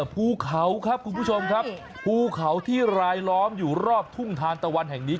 ภูเขาครับคุณผู้ชมครับภูเขาที่รายล้อมอยู่รอบทุ่งทานตะวันแห่งนี้